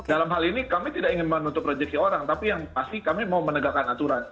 dalam hal ini kami tidak ingin menutup rejeksi orang tapi yang pasti kami mau menegakkan aturan